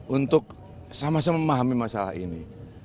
untuk sama sama memahami masalah ini